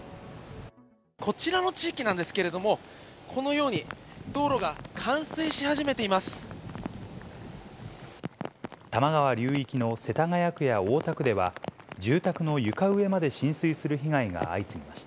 こちらの地域なんですけれども、このように道路が冠水し始めています。